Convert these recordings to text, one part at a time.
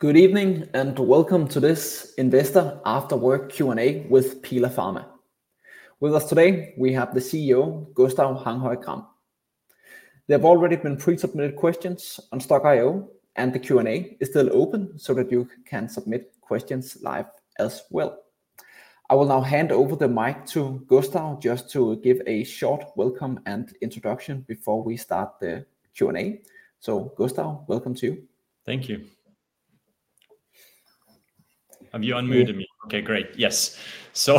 Good evening, and welcome to this investor after-work Q&A with Pila Pharma. With us today, we have the CEO, Gustav Hanghøj Gram. There have already been pre-submitted questions on Stoc.io, and the Q&A is still open so that you can submit questions live as well. I will now hand over the mic to Gustav just to give a short welcome and introduction before we start the Q&A. So, Gustav, welcome to you. Thank you. Have you unmuted me? Okay, great. Yes. So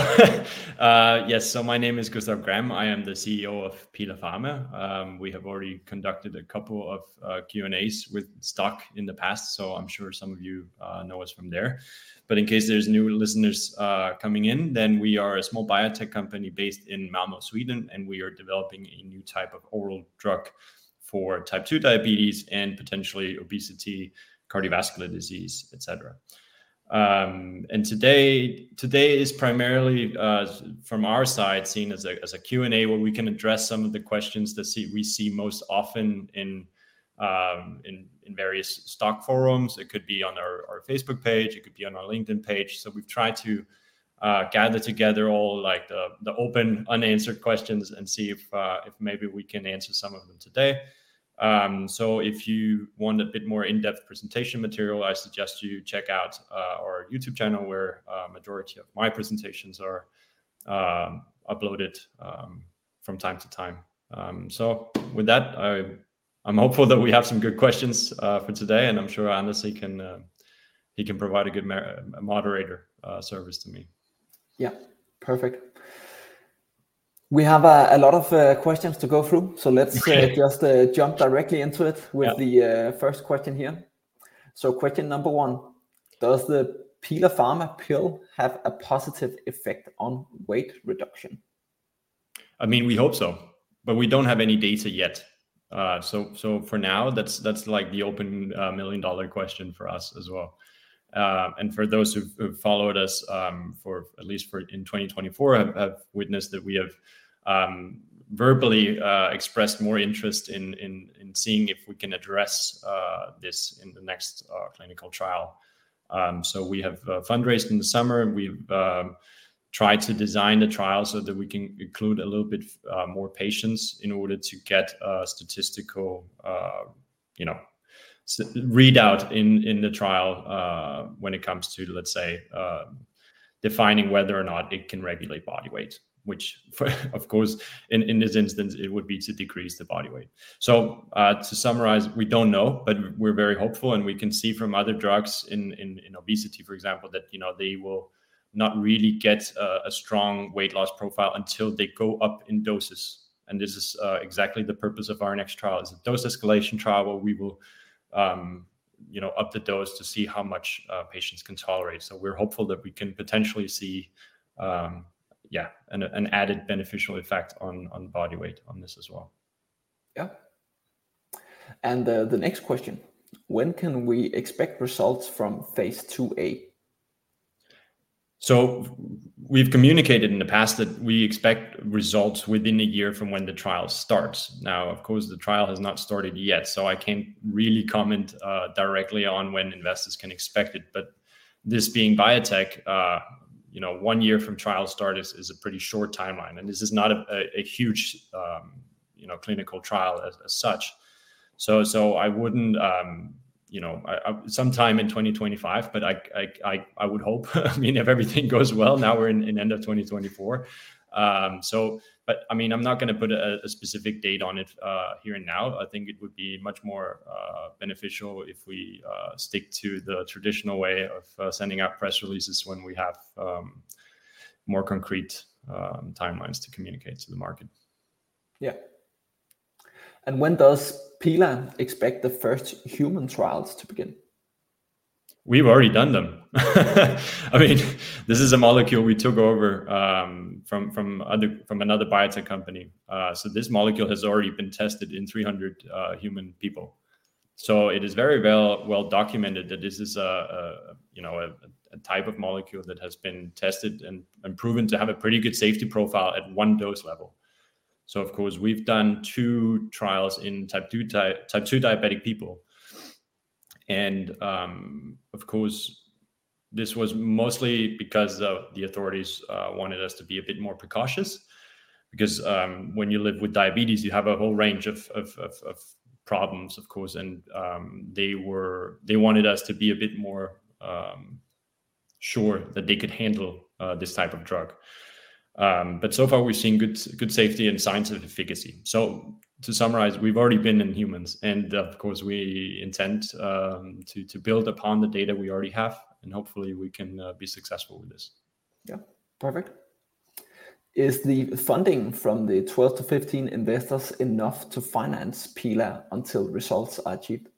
yes, so my name is Gustav Gram. I am the CEO of Pila Pharma. We have already conducted a couple of Q&As with Stock in the past, so I'm sure some of you know us from there. But in case there's new listeners coming in, then we are a small biotech company based in Malmö, Sweden, and we are developing a new type of oral drug for type two diabetes and potentially obesity, cardiovascular disease, et cetera. And today, today is primarily from our side, seen as a Q&A, where we can address some of the questions that we see most often in various stock forums. It could be on our Facebook page, it could be on our LinkedIn page. So we've tried to gather together all, like, the open, unanswered questions and see if maybe we can answer some of them today. So if you want a bit more in-depth presentation material, I suggest you check out our YouTube channel, where a majority of my presentations are uploaded from time to time. So with that, I'm hopeful that we have some good questions for today, and I'm sure Anders can provide a good moderator service to me. Yeah, perfect. We have a lot of questions to go through, so let's- Great... just jump directly into it. Yeah... with the first question here. So question number one: Does the Pila Pharma pill have a positive effect on weight reduction? I mean, we hope so, but we don't have any data yet. So for now, that's, like, the open million-dollar question for us as well. And for those who have followed us for at least in 2024 have witnessed that we have verbally expressed more interest in seeing if we can address this in the next clinical trial. So we have fundraised in the summer, and we've tried to design the trial so that we can include a little bit more patients in order to get a statistical you know readout in the trial when it comes to, let's say, defining whether or not it can regulate body weight, which, of course, in this instance, it would be to decrease the body weight. So, to summarize, we don't know, but we're very hopeful, and we can see from other drugs in obesity, for example, that, you know, they will not really get a strong weight loss profile until they go up in doses. And this is exactly the purpose of our next trial. It's a dose escalation trial, where we will, you know, up the dose to see how much patients can tolerate. So we're hopeful that we can potentially see, yeah, an added beneficial effect on body weight on this as well. Yeah. And the next question: When can we expect results from Phase IIa? So we've communicated in the past that we expect results within a year from when the trial starts. Now, of course, the trial has not started yet, so I can't really comment directly on when investors can expect it, but this being biotech, you know, one year from trial start is a pretty short timeline, and this is not a huge, you know, clinical trial as such. So I wouldn't... You know, sometime in 2025, but I would hope, I mean, if everything goes well, now we're in end of 2024. So but, I mean, I'm not gonna put a specific date on it here and now. I think it would be much more beneficial if we stick to the traditional way of sending out press releases when we have more concrete timelines to communicate to the market. Yeah. When does Pila expect the first human trials to begin? We've already done them. I mean, this is a molecule we took over from another biotech company. So this molecule has already been tested in 300 human people, so it is very well documented that this is, you know, a type of molecule that has been tested and proven to have a pretty good safety profile at one dose level, so of course, we've done two trials in type two diabetic people, and of course, this was mostly because of the authorities wanted us to be a bit more precautious. Because when you live with diabetes, you have a whole range of problems, of course, and they wanted us to be a bit more sure that they could handle this type of drug. So far we've seen good safety and signs of efficacy. To summarize, we've already been in humans, and of course, we intend to build upon the data we already have, and hopefully we can be successful with this. Yeah. Perfect. Is the funding from the 12-15 investors enough to finance Pila until results are achieved?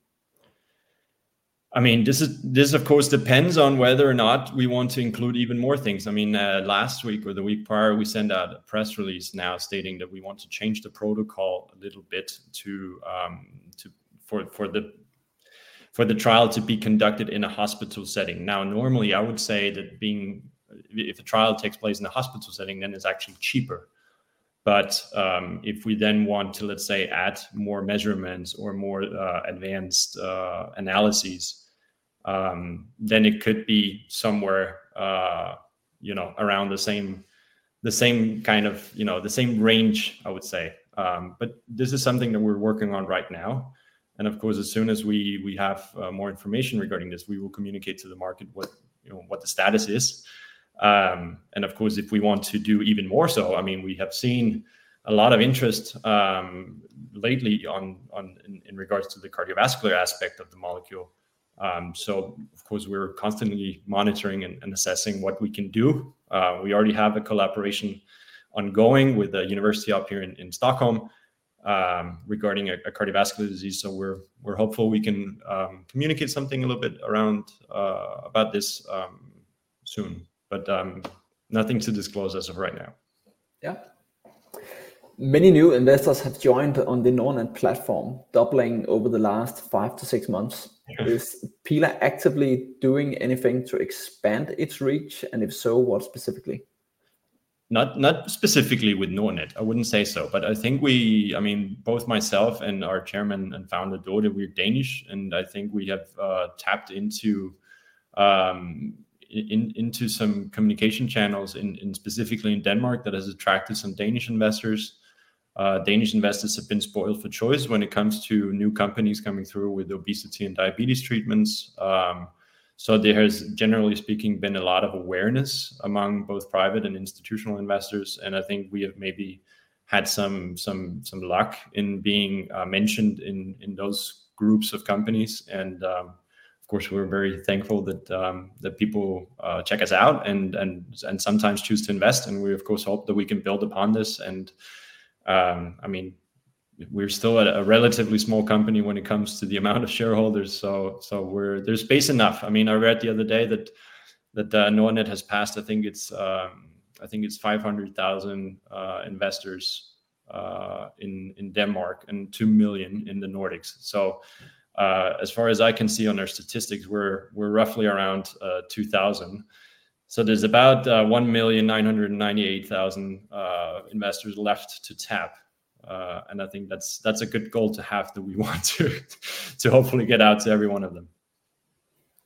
I mean, this is... This, of course, depends on whether or not we want to include even more things. I mean, last week or the week prior, we sent out a press release now stating that we want to change the protocol a little bit to for the trial to be conducted in a hospital setting. Now, normally, I would say that being, if a trial takes place in a hospital setting, then it's actually cheaper.... but, if we then want to, let's say, add more measurements or more advanced analyses, then it could be somewhere, you know, around the same kind of, you know, the same range, I would say. But this is something that we're working on right now, and of course, as soon as we have more information regarding this, we will communicate to the market what you know what the status is. And of course, if we want to do even more so, I mean, we have seen a lot of interest lately in regards to the cardiovascular aspect of the molecule. So of course, we're constantly monitoring and assessing what we can do. We already have a collaboration ongoing with a university up here in Stockholm regarding a cardiovascular disease, so we're hopeful we can communicate something a little bit around about this soon. But nothing to disclose as of right now. Yeah. Many new investors have joined on the Nordnet platform, doubling over the last five to six months. Yes. Is Pila actively doing anything to expand its reach? And if so, what specifically? Not specifically with Nordnet. I wouldn't say so. But I think we I mean, both myself and our chairman and founder, Dorte, we're Danish, and I think we have tapped into into some communication channels in specifically in Denmark, that has attracted some Danish investors. Danish investors have been spoiled for choice when it comes to new companies coming through with obesity and diabetes treatments. So there has, generally speaking, been a lot of awareness among both private and institutional investors, and I think we have maybe had some luck in being mentioned in those groups of companies. And of course, we're very thankful that people check us out and sometimes choose to invest, and we of course hope that we can build upon this. I mean, we're still at a relatively small company when it comes to the amount of shareholders, so, there's space enough. I mean, I read the other day that Nordnet has passed, I think it's 500,000 investors in Denmark, and two million in the Nordics. So, as far as I can see on their statistics, we're roughly around 2,000. So there's about 1,998,000 investors left to tap. And I think that's a good goal to have, that we want to hopefully get out to every one of them.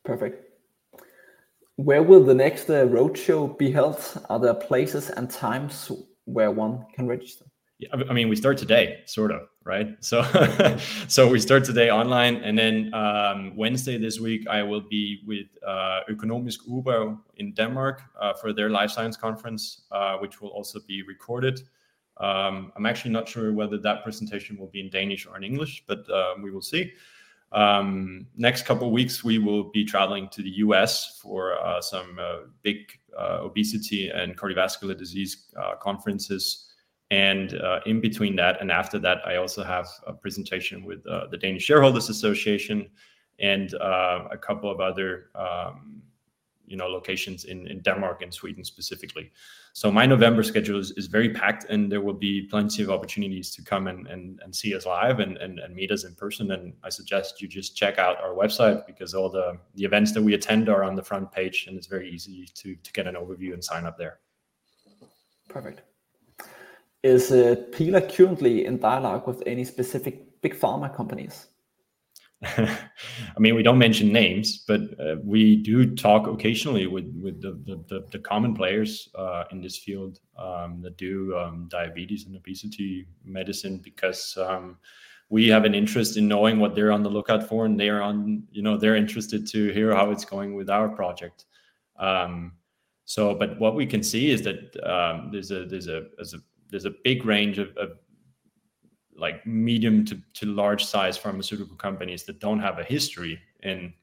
Perfect. Where will the next roadshow be held? Are there places and times where one can register? Yeah, I mean, we start today, sort of, right? So, we start today online, and then, Wednesday this week, I will be with Økonomisk Ugebrev in Denmark, for their life science conference, which will also be recorded. I'm actually not sure whether that presentation will be in Danish or in English, but, we will see. Next couple weeks, we will be traveling to the U.S. for some big obesity and cardiovascular disease conferences. And, in between that and after that, I also have a presentation with the Danish Shareholders Association, and a couple of other, you know, locations in Denmark and Sweden specifically. My November schedule is very packed, and there will be plenty of opportunities to come and see us live and meet us in person. I suggest you just check out our website, because all the events that we attend are on the front page, and it's very easy to get an overview and sign up there. Perfect. Is Pila currently in dialogue with any specific big pharma companies? I mean, we don't mention names, but we do talk occasionally with the common players in this field that do diabetes and obesity medicine, because we have an interest in knowing what they're on the lookout for. You know, they're interested to hear how it's going with our project. So but what we can see is that there's a big range of like medium to large-sized pharmaceutical companies that don't have a history in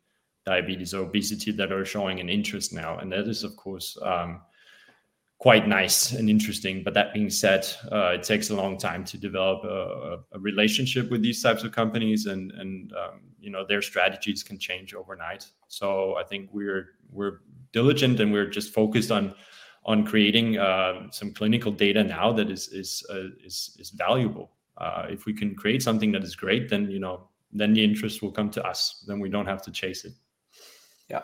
diabetes or obesity that are showing an interest now, and that is, of course, quite nice and interesting. But that being said, it takes a long time to develop a relationship with these types of companies, and you know, their strategies can change overnight. So I think we're diligent, and we're just focused on creating some clinical data now that is valuable. If we can create something that is great, then you know, then the interest will come to us, then we don't have to chase it. Yeah.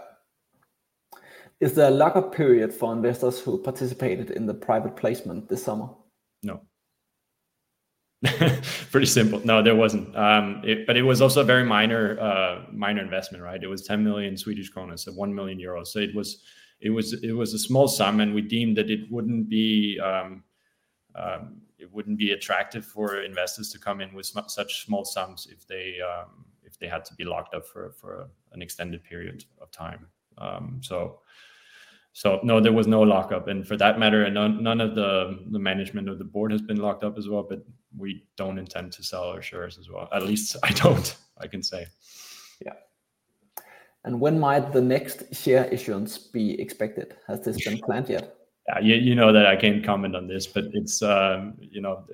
Is there a lock-up period for investors who participated in the private placement this summer? No. Pretty simple. No, there wasn't, but it was also a very minor, minor investment, right? It was 10 million Swedish kronor, so one million EUR. So it was a small sum, and we deemed that it wouldn't be attractive for investors to come in with such small sums if they had to be locked up for an extended period of time, so no, there was no lock-up, and for that matter, none of the management or the board has been locked up as well, but we don't intend to sell our shares as well. At least I don't, I can say. Yeah, and when might the next share issuance be expected? Has this been planned yet? Yeah, you know that I can't comment on this, but it's, you know.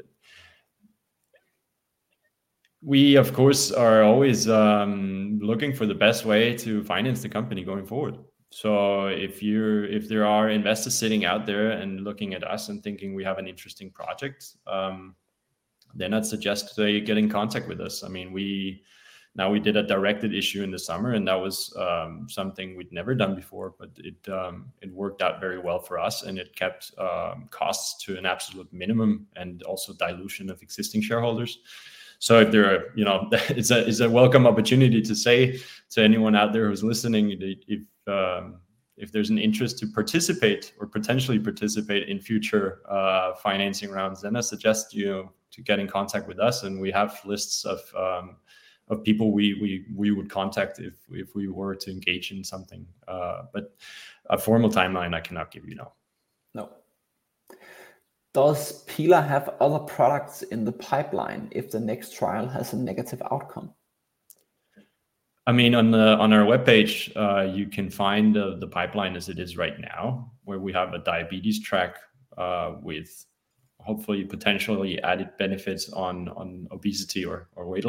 We, of course, are always looking for the best way to finance the company going forward. So if there are investors sitting out there and looking at us and thinking we have an interesting project, then I'd suggest they get in contact with us. I mean, now we did a directed issue in the summer, and that was something we'd never done before, but it, it worked out very well for us, and it kept costs to an absolute minimum, and also dilution of existing shareholders. So if there are, you know, it's a welcome opportunity to say to anyone out there who's listening, that if there's an interest to participate or potentially participate in future financing rounds, then I suggest you to get in contact with us, and we have lists of people we would contact if we were to engage in something. But a formal timeline I cannot give you, no. No. Does Pila have other products in the pipeline if the next trial has a negative outcome? I mean, on our webpage, you can find the pipeline as it is right now, where we have a diabetes track, with hopefully potentially added benefits on obesity or weight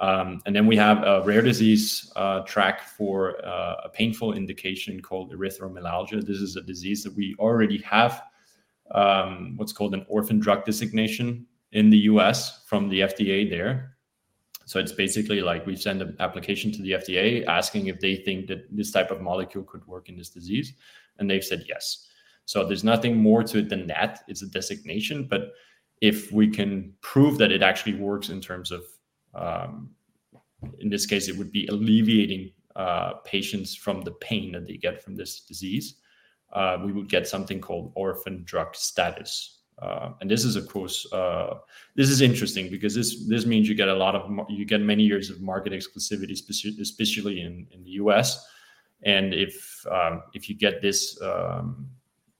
loss, and then we have a rare disease track for a painful indication called erythromelalgia. This is a disease that we already have what's called an orphan drug designation in the U.S. from the FDA there. So it's basically like we send an application to the FDA asking if they think that this type of molecule could work in this disease, and they've said yes. So there's nothing more to it than that. It's a designation, but if we can prove that it actually works in terms of, in this case, it would be alleviating patients from the pain that they get from this disease, we would get something called orphan drug status. And this is of course interesting because this means you get many years of market exclusivity, especially in the U.S. And if you get this,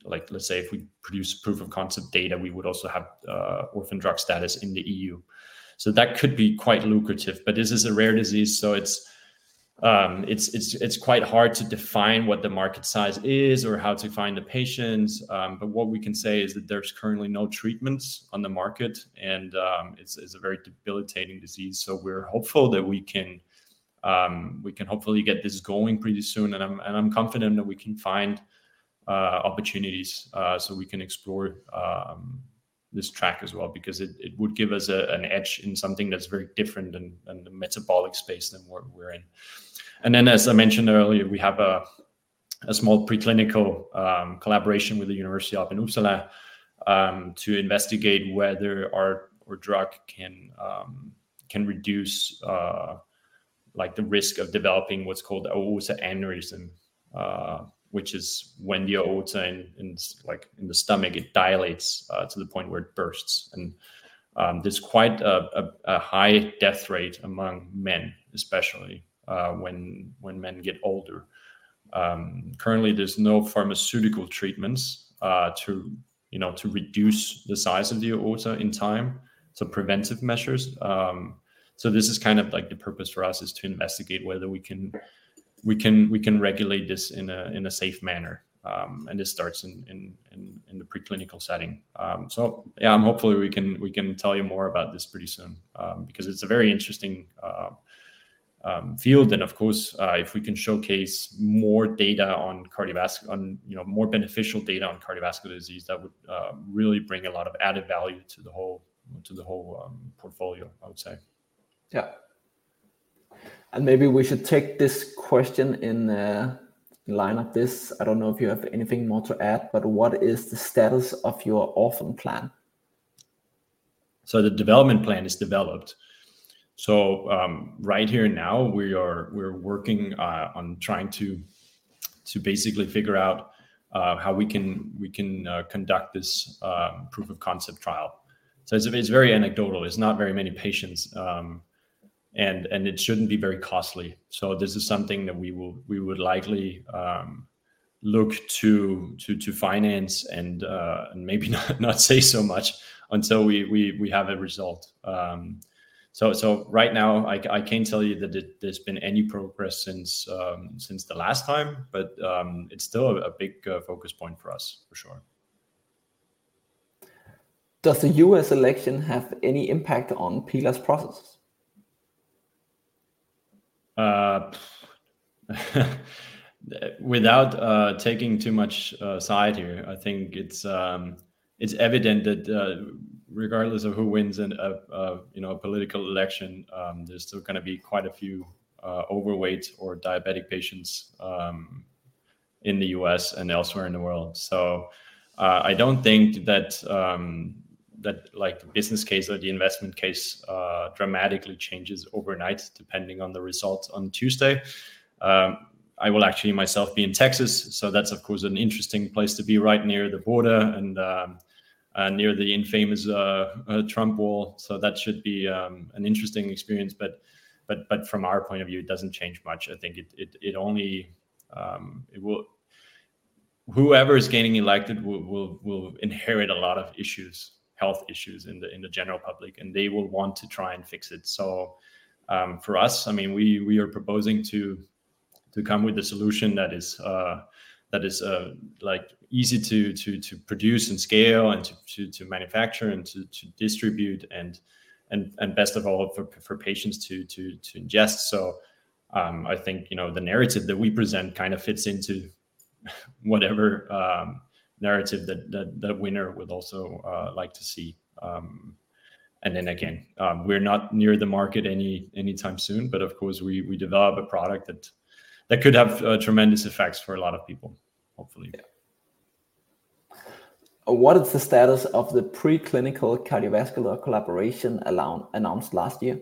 like, let's say, if we produce proof-of-concept data, we would also have orphan drug status in the E.U. So that could be quite lucrative, but this is a rare disease, so it's quite hard to define what the market size is or how to find the patients. But what we can say is that there's currently no treatments on the market, and it's a very debilitating disease. So we're hopeful that we can hopefully get this going pretty soon, and I'm confident that we can find opportunities so we can explore this track as well, because it would give us an edge in something that's very different than the metabolic space than what we're in. And then, as I mentioned earlier, we have a small preclinical collaboration with Uppsala University to investigate whether our drug can reduce, like, the risk of developing what's called aortic aneurysm, which is when the aorta in, like, in the stomach, it dilates to the point where it bursts. There's quite a high death rate among men, especially when men get older. Currently, there's no pharmaceutical treatments to, you know, to reduce the size of the aorta in time, so preventive measures. This is kind of like the purpose for us, is to investigate whether we can regulate this in a safe manner. This starts in the preclinical setting. Yeah, hopefully, we can tell you more about this pretty soon, because it's a very interesting field. Of course, if we can showcase more data on, you know, more beneficial data on cardiovascular disease, that would really bring a lot of added value to the whole portfolio, I would say. Yeah, and maybe we should take this question in the line of this. I don't know if you have anything more to add, but what is the status of your orphan plan? The development plan is developed. Right here now, we're working on trying to basically figure out how we can conduct this proof-of-concept trial. It's very anecdotal. It's not very many patients, and it shouldn't be very costly. This is something that we would likely look to finance and maybe not say so much until we have a result. Right now, I can't tell you that there's been any progress since the last time, but it's still a big focus point for us, for sure. Does the U.S. election have any impact on Pila's processes? Without taking too much side here, I think it's evident that, regardless of who wins in a, you know, a political election, there's still gonna be quite a few overweight or diabetic patients in the U.S. and elsewhere in the world. So, I don't think that like the business case or the investment case dramatically changes overnight, depending on the results on Tuesday. I will actually myself be in Texas, so that's of course an interesting place to be, right near the border and near the infamous Trump wall. So that should be an interesting experience, but from our point of view, it doesn't change much. I think it only will... Whoever is getting elected will inherit a lot of issues, health issues in the general public, and they will want to try and fix it, so for us, I mean, we are proposing to come with a solution that is like easy to produce and scale and to manufacture and to distribute, and best of all, for patients to ingest, so I think, you know, the narrative that we present kind of fits into whatever narrative that winner would also like to see, and then again, we're not near the market anytime soon, but of course, we develop a product that could have tremendous effects for a lot of people, hopefully. Yeah. What is the status of the preclinical cardiovascular collaboration announced last year?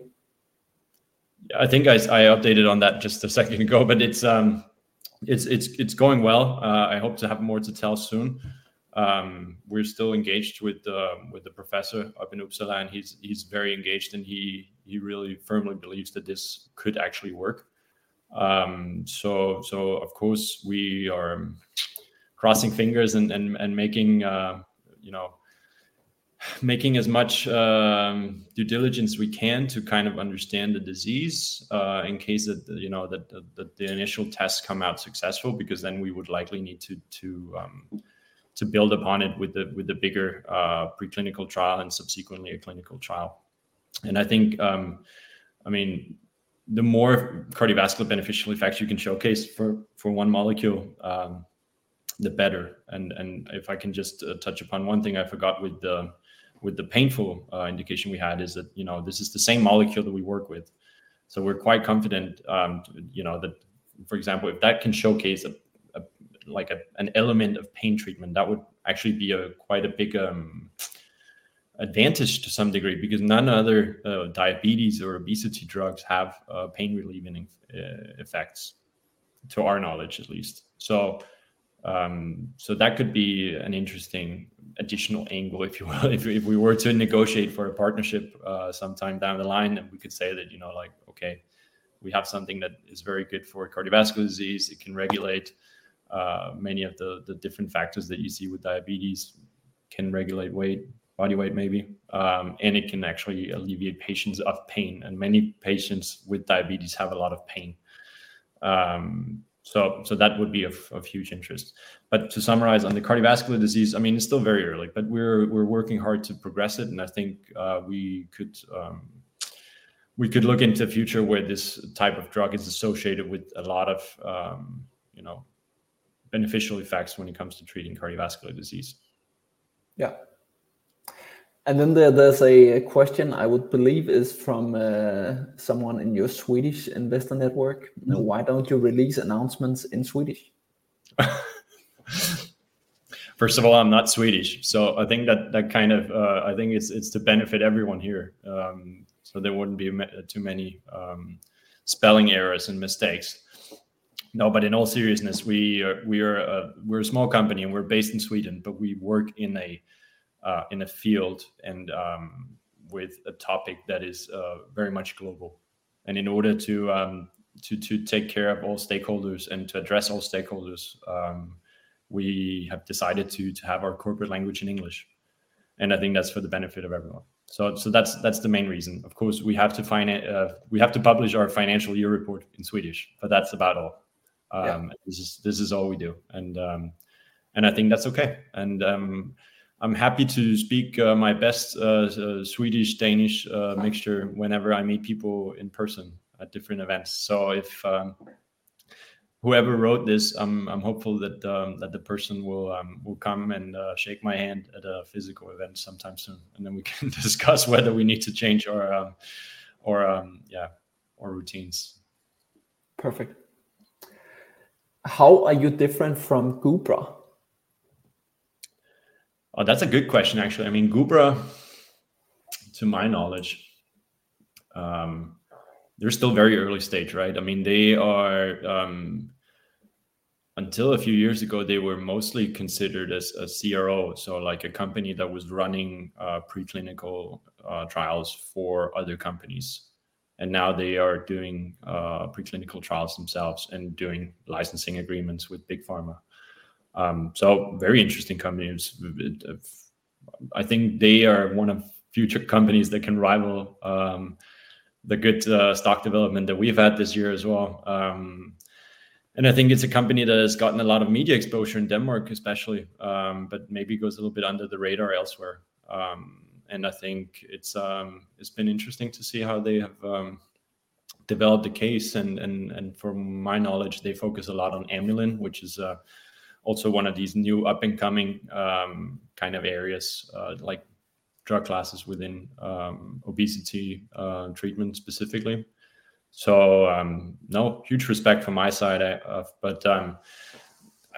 I think I updated on that just a second ago, but it's going well. I hope to have more to tell soon. We're still engaged with the professor up in Uppsala, and he's very engaged, and he really firmly believes that this could actually work. So of course, we are crossing fingers and you know, making as much due diligence we can to kind of understand the disease in case you know, the initial tests come out successful, because then we would likely need to build upon it with the bigger preclinical trial and subsequently a clinical trial, and I think I mean, the more cardiovascular beneficial effects you can showcase for one molecule, the better. If I can just touch upon one thing I forgot with the painful indication we had, is that, you know, this is the same molecule that we work with, so we're quite confident, you know, that, for example, if that can showcase like an element of pain treatment, that would actually be quite a big advantage to some degree. Because no other diabetes or obesity drugs have pain-relieving effects, to our knowledge, at least. So that could be an interesting additional angle, if you will. If we were to negotiate for a partnership sometime down the line, then we could say that, you know, like, "Okay, we have something that is very good for cardiovascular disease. It can regulate many of the different factors that you see with diabetes, can regulate weight, body weight, maybe, and it can actually alleviate patients of pain, and many patients with diabetes have a lot of pain. So that would be of huge interest. But to summarize on the cardiovascular disease, I mean, it's still very early, but we're working hard to progress it, and I think we could look into a future where this type of drug is associated with a lot of you know, beneficial effects when it comes to treating cardiovascular disease. Yeah. And then there, there's a question I would believe is from someone in your Swedish investor network. Mm-hmm. Why don't you release announcements in Swedish? First of all, I'm not Swedish, so I think it's to benefit everyone here. So there wouldn't be too many spelling errors and mistakes. No, but in all seriousness, we're a small company, and we're based in Sweden, but we work in a field and with a topic that is very much global. In order to take care of all stakeholders and to address all stakeholders, we have decided to have our corporate language in English, and I think that's for the benefit of everyone. So that's the main reason. Of course, we have to file it. We have to publish our financial year report in Swedish, but that's about all. Yeah. This is all we do, and I think that's okay, and I'm happy to speak my best Swedish-Danish mixture whenever I meet people in person at different events. So if whoever wrote this, I'm hopeful that the person will come and shake my hand at a physical event sometime soon, and then we can discuss whether we need to change our routines. Perfect. "How are you different from Gubra? Oh, that's a good question, actually. I mean, Gubra, to my knowledge, they're still very early stage, right? I mean, they are. Until a few years ago, they were mostly considered as a CRO, so, like a company that was running, preclinical, trials for other companies, and now they are doing, preclinical trials themselves and doing licensing agreements with Big Pharma. So very interesting companies. I think they are one of future companies that can rival, the good, stock development that we've had this year as well. And I think it's a company that has gotten a lot of media exposure in Denmark, especially, but maybe goes a little bit under the radar elsewhere. And I think it's been interesting to see how they have developed the case, and from my knowledge, they focus a lot on Amylin, which is also one of these new up-and-coming kind of areas like drug classes within obesity treatment specifically. So, no, huge respect from my side. But, I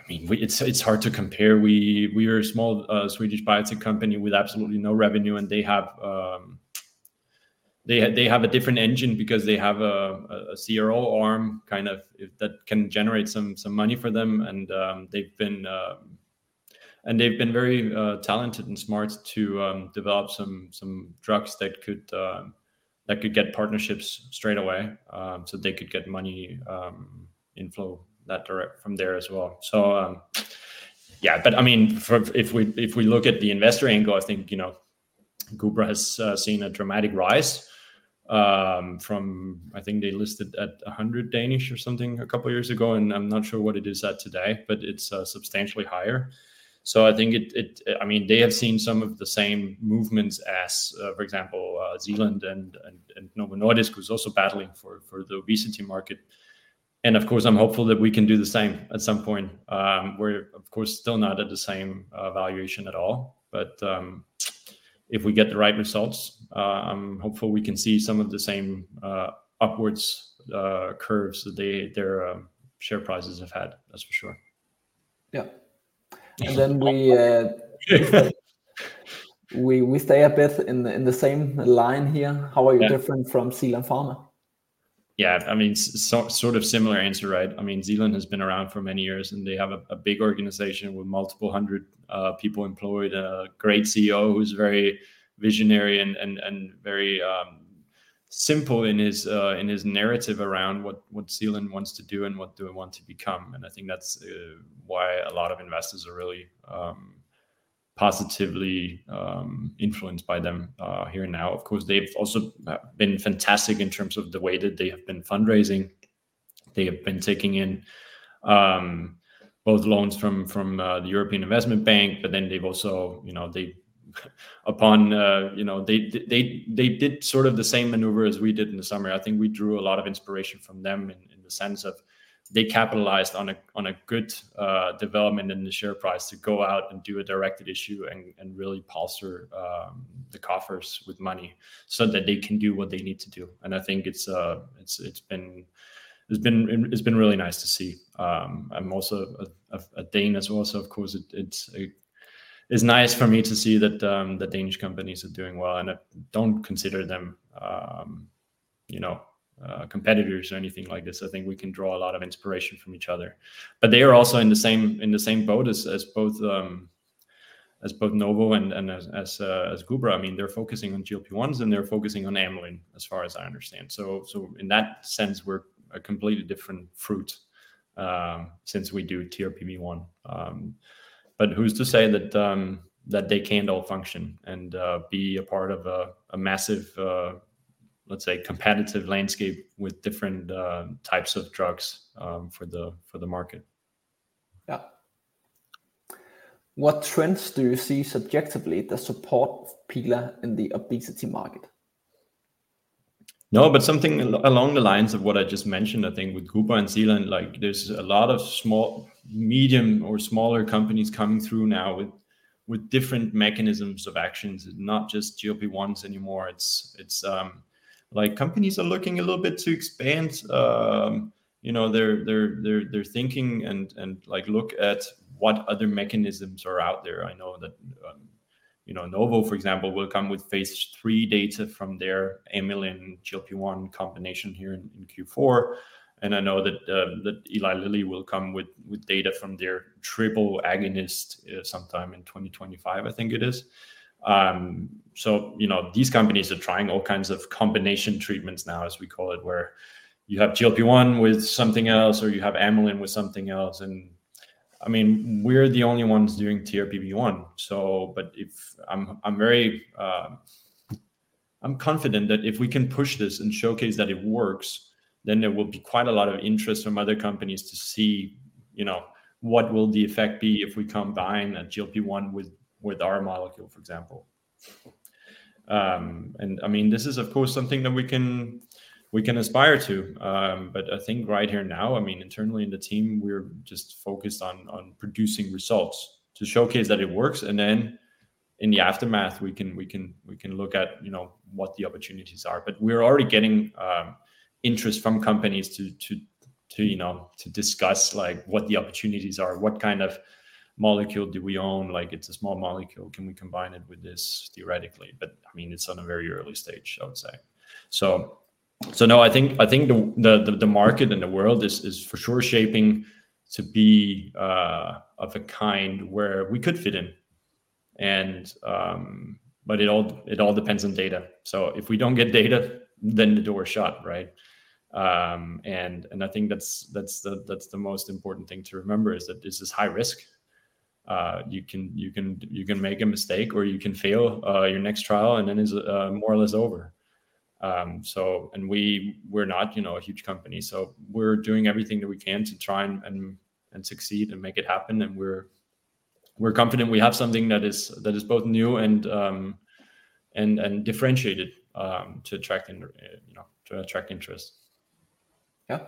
mean, it's hard to compare. We are a small Swedish biotech company with absolutely no revenue, and they have a different engine because they have a CRO arm, kind of, that can generate some money for them. And they've been very talented and smart to develop some drugs that could get partnerships straight away. So they could get money inflow directly from there as well. So, yeah, but I mean, if we look at the investor angle, I think, you know, Gubra has seen a dramatic rise from, I think they listed at 100 DKK or something a couple of years ago, and I'm not sure what it is at today, but it's substantially higher. So I think it, I mean, they have seen some of the same movements as, for example, Zealand and Novo Nordisk, who's also battling for the obesity market. And of course, I'm hopeful that we can do the same at some point. We're, of course, still not at the same valuation at all, but...If we get the right results, I'm hopeful we can see some of the same upwards curves that they, their share prices have had, that's for sure. Yeah. And then we stay a bit in the same line here. Yeah. How are you different from Zealand Pharma? Yeah, I mean, so sort of similar answer, right? I mean, Zealand has been around for many years, and they have a big organization with multiple hundred people employed. A great CEO who's very visionary and very simple in his narrative around what Zealand wants to do and what do we want to become. And I think that's why a lot of investors are really positively influenced by them here and now. Of course, they've also been fantastic in terms of the way that they have been fundraising. They have been taking in both loans from the European Investment Bank, but then they've also, you know. You know, they did sort of the same maneuver as we did in the summer. I think we drew a lot of inspiration from them in the sense of they capitalized on a good development in the share price to go out and do a directed issue and really bolster the coffers with money so that they can do what they need to do. I think it's been really nice to see. I'm also a Dane as well, so, of course, it is nice for me to see that the Danish companies are doing well, and I don't consider them, you know, competitors or anything like this. I think we can draw a lot of inspiration from each other. But they are also in the same boat as both Novo and Gubra. I mean, they're focusing on GLP-1s, and they're focusing on amylin, as far as I understand. So in that sense, we're a completely different fruit since we do TRPV1. But who's to say that they can't all function and be a part of a massive, let's say, competitive landscape with different types of drugs for the market? Yeah. What trends do you see subjectively that support Pila in the obesity market? No, but something along the lines of what I just mentioned, I think with Gubra and Zealand, like, there's a lot of small... medium or smaller companies coming through now with different mechanisms of actions, not just GLP-1s anymore. It's, like, companies are looking a little bit to expand, you know, their thinking and, like, look at what other mechanisms are out there. I know that, you know, Novo, for example, will come with Phase 3 data from their amylin GLP-1 combination here in Q4. And I know that Eli Lilly will come with data from their triple agonist sometime in 2025, I think it is. So, you know, these companies are trying all kinds of combination treatments now, as we call it, where you have GLP-1 with something else, or you have amylin with something else. And I mean, we're the only ones doing TRPV1. But if I'm very confident that if we can push this and showcase that it works, then there will be quite a lot of interest from other companies to see, you know, what will the effect be if we combine a GLP-1 with our molecule, for example. And I mean, this is, of course, something that we can aspire to. But I think right here and now, I mean, internally in the team, we're just focused on producing results to showcase that it works, and then in the aftermath, we can look at you know what the opportunities are. But we're already getting interest from companies to you know to discuss like what the opportunities are, what kind of molecule do we own? Like, it's a small molecule, can we combine it with this theoretically? But I mean it's on a very early stage, I would say. So no, I think the market and the world is for sure shaping to be of a kind where we could fit in, but it all depends on data. So if we don't get data, then the door shut, right? I think that's the most important thing to remember, is that this is high risk. You can make a mistake, or you can fail your next trial, and then it's more or less over. We're not, you know, a huge company, so we're doing everything that we can to try and succeed and make it happen. And we're confident we have something that is both new and differentiated to attract, you know, to attract interest. Yeah.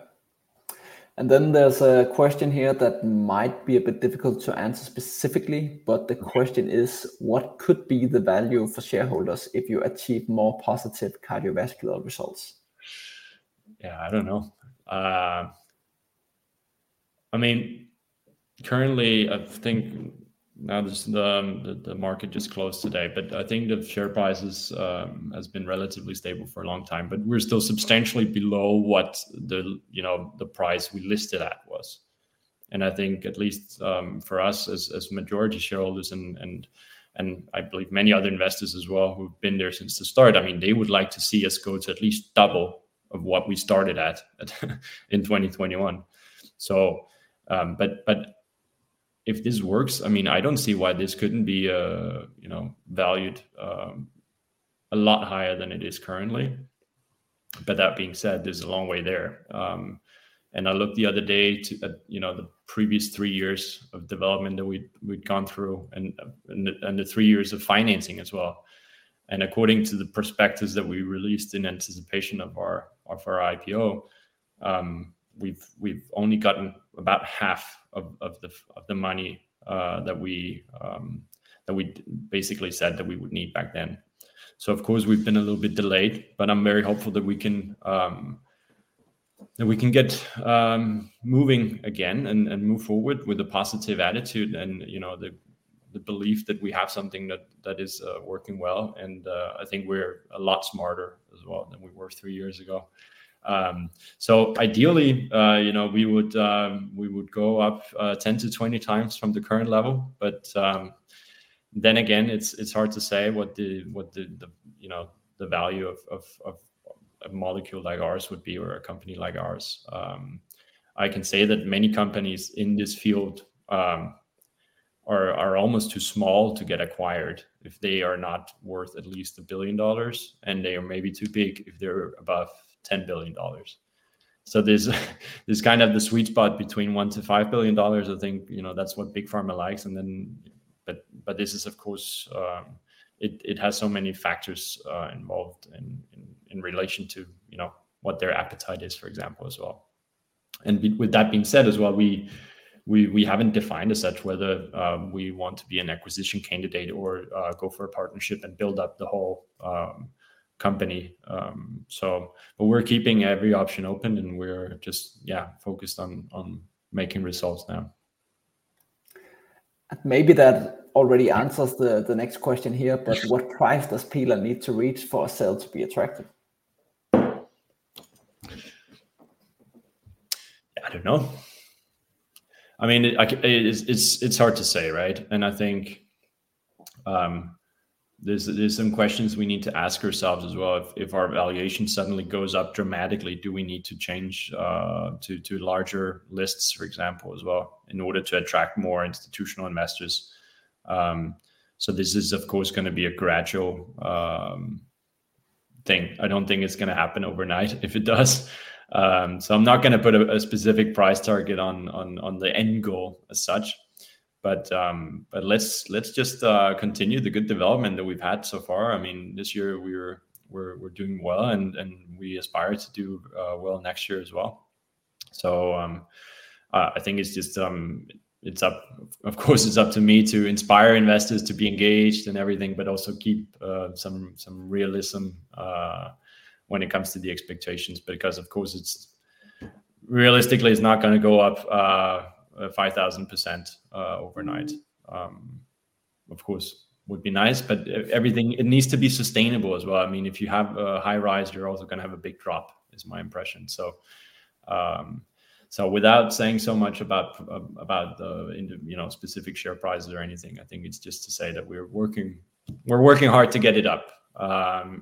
And then there's a question here that might be a bit difficult to answer specifically, but- Okay... the question is: What could be the value for shareholders if you achieve more positive cardiovascular results? Yeah, I don't know. I mean, currently, I think, now the market just closed today, but I think the share prices has been relatively stable for a long time, but we're still substantially below what the, you know, the price we listed at was. And I think at least, for us as majority shareholders, and I believe many other investors as well, who've been there since the start, I mean, they would like to see us go to at least double of what we started at, in 2021. So, but if this works, I mean, I don't see why this couldn't be, you know, valued a lot higher than it is currently. But that being said, there's a long way there. And I looked the other day to, you know, the previous three years of development that we'd gone through and the three years of financing as well, and according to the perspectives that we released in anticipation of our IPO, we've only gotten about half of the money that we basically said that we would need back then. So of course, we've been a little bit delayed, but I'm very hopeful that we can get moving again and move forward with a positive attitude and, you know, the belief that we have something that is working well, and I think we're a lot smarter as well than we were three years ago. So ideally, you know, we would go up 10 to 20 times from the current level, but then again, it's hard to say what the, you know, the value of a molecule like ours would be or a company like ours. I can say that many companies in this field are almost too small to get acquired if they are not worth at least $1 billion, and they are maybe too big if they're above $10 billion. So there's kind of the sweet spot between $1-$5 billion. I think, you know, that's what Big Pharma likes, and then... But this is of course, it has so many factors involved in relation to, you know, what their appetite is, for example, as well. With that being said as well, we haven't defined as such whether we want to be an acquisition candidate or go for a partnership and build up the whole company. So but we're keeping every option open, and we're just yeah focused on making results now. Maybe that already answers the next question here- Yes... but what price does Pila need to reach for a sale to be attractive? I don't know. I mean, it's hard to say, right? And I think there's some questions we need to ask ourselves as well. If our valuation suddenly goes up dramatically, do we need to change to larger lists, for example, as well, in order to attract more institutional investors? So this is of course gonna be a gradual thing. I don't think it's gonna happen overnight. If it does, so I'm not gonna put a specific price target on the end goal as such. But let's just continue the good development that we've had so far. I mean, this year, we're doing well, and we aspire to do well next year as well. So I think it's just it's up... Of course, it's up to me to inspire investors to be engaged and everything, but also keep some realism when it comes to the expectations. Because, of course, it's... Realistically, it's not gonna go up 5,000% overnight. Of course, would be nice, but everything, it needs to be sustainable as well. I mean, if you have a high rise, you're also gonna have a big drop, is my impression. So, so without saying so much about about the, you know, specific share prices or anything, I think it's just to say that we're working hard to get it up.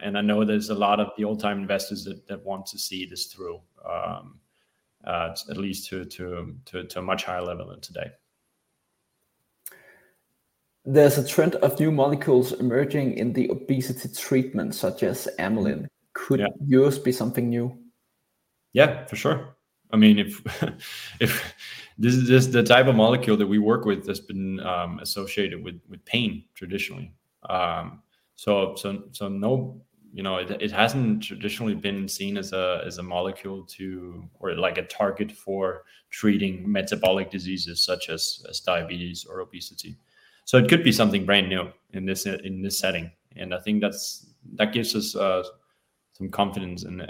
And I know there's a lot of the old-time investors that want to see this through at least to a much higher level than today. There's a trend of new molecules emerging in the obesity treatment, such as Amylin. Yeah. Could yours be something new? Yeah, for sure. I mean. This is just the type of molecule that we work with that's been associated with pain traditionally. So no, you know, it hasn't traditionally been seen as a molecule to, or like a target for treating metabolic diseases such as diabetes or obesity. So it could be something brand new in this setting, and I think that gives us some confidence and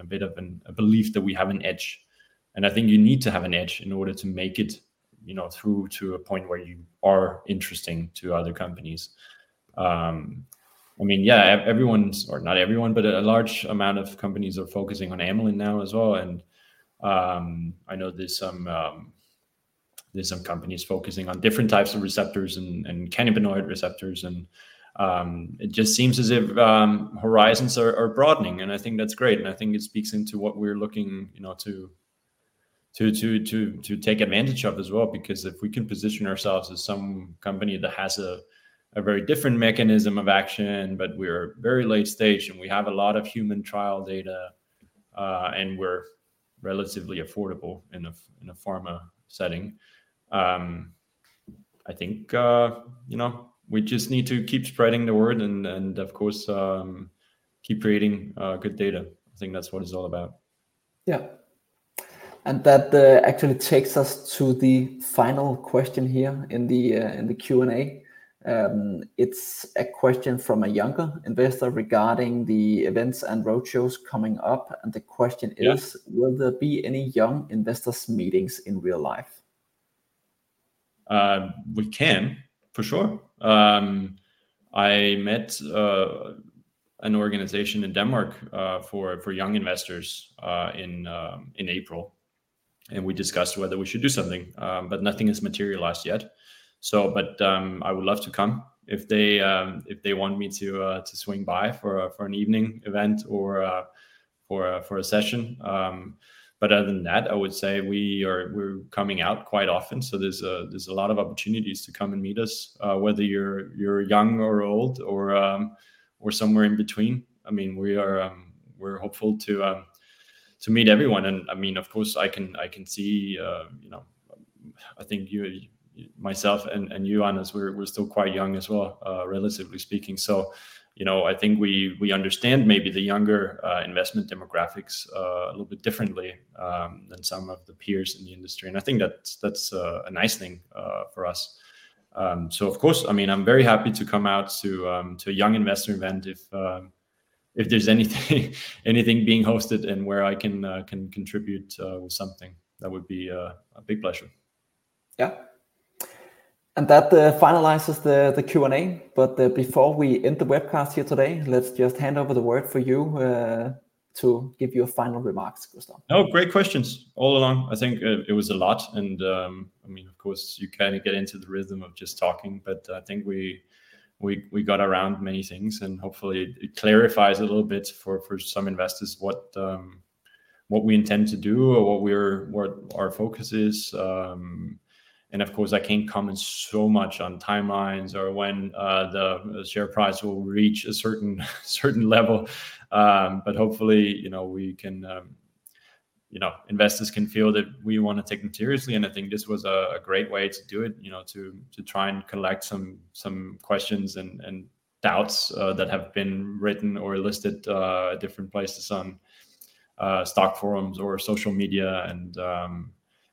a bit of a belief that we have an edge, and I think you need to have an edge in order to make it, you know, through to a point where you are interesting to other companies. I mean, yeah, everyone's, or not everyone, but a large amount of companies are focusing on amylin now as well, and I know there's some companies focusing on different types of receptors and cannabinoid receptors, and it just seems as if horizons are broadening, and I think that's great, and I think it speaks into what we're looking, you know, to take advantage of as well. Because if we can position ourselves as some company that has a very different mechanism of action, but we're very late stage, and we have a lot of human trial data, and we're relatively affordable in a pharma setting, I think, you know, we just need to keep spreading the word and, of course, keep creating good data.I think that's what it's all about. Yeah. And that actually takes us to the final question here in the Q&A. It's a question from a younger investor regarding the events and roadshows coming up, and the question is- Yeah... will there be any young investors meetings in real life? We can, for sure. I met an organization in Denmark for young investors in April, and we discussed whether we should do something, but nothing has materialized yet. So, but I would love to come if they want me to swing by for an evening event or for a session. But other than that, I would say we're coming out quite often, so there's a lot of opportunities to come and meet us. Whether you're young or old or somewhere in between, I mean, we're hopeful to meet everyone. I mean, of course, I can see, you know, I think you, myself, and you, Anders, we're still quite young as well, relatively speaking. So, you know, I think we understand maybe the younger investment demographics a little bit differently than some of the peers in the industry, and I think that's a nice thing for us. So of course, I mean, I'm very happy to come out to a young investor event if there's anything being hosted and where I can contribute with something. That would be a big pleasure. Yeah. And that finalizes the Q&A. But before we end the webcast here today, let's just hand over the word for you to give your final remarks, Gustav. No, great questions all along. I think it was a lot and, I mean, of course, you kind of get into the rhythm of just talking, but I think we got around many things, and hopefully it clarifies a little bit for some investors what we intend to do or what our focus is. And of course, I can't comment so much on timelines or when the share price will reach a certain level. But hopefully, you know, we can, you know, investors can feel that we wanna take them seriously, and I think this was a great way to do it, you know, to try and collect some questions and doubts that have been written or listed at different places on stock forums or social media.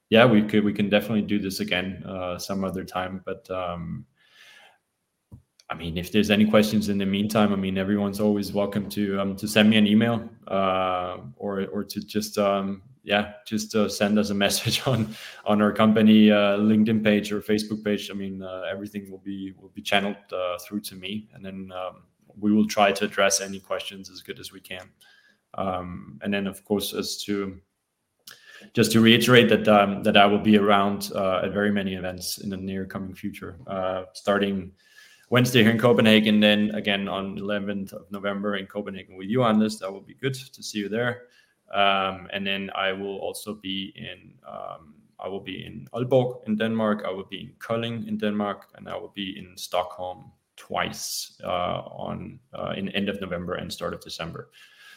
Yeah, we can definitely do this again some other time. I mean, if there's any questions in the meantime, I mean, everyone's always welcome to send me an email or to just send us a message on our company LinkedIn page or Facebook page. I mean, everything will be channeled through to me, and then we will try to address any questions as good as we can. Of course, just to reiterate that I will be around at very many events in the near coming future, starting Wednesday here in Copenhagen, then again on 11th of November in Copenhagen with you, Anders. That will be good to see you there. And then I will also be in, I will be in Aalborg in Denmark, I will be in Kolding in Denmark, and I will be in Stockholm twice, on in end of November and start of December.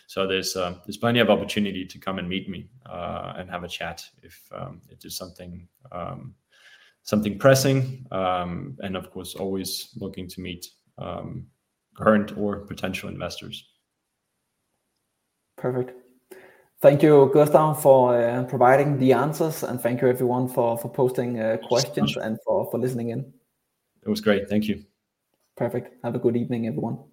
So there's plenty of opportunity to come and meet me, and have a chat if there's something pressing. And of course, always looking to meet current or potential investors. Perfect. Thank you, Gustav, for providing the answers, and thank you everyone for posting questions. Pleasure... and for listening in. It was great. Thank you. Perfect. Have a good evening, everyone.